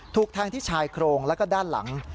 ถูกแทงที่ชายโครงแล้วก็ด้านหลัง